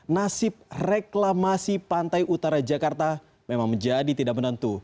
nasib reklamasi pantai utara jakarta memang menjadi tidak menentu